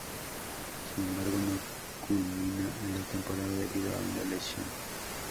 Sin embargo, no culmina la temporada debido a una lesión.